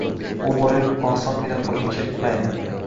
bu boylik osongnna qo'lga kirmaydi.